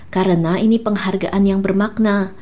karena ini penghargaan yang bermakna